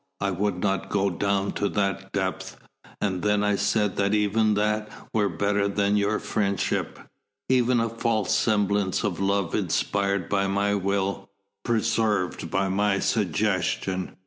I would not go down to that depth. And then I said that even that were better than your friendship, even a false semblance of love inspired by my will, preserved by my suggestion.